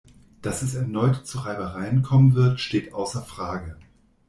Dass es erneut zu Reibereien kommen wird, steht außer Frage.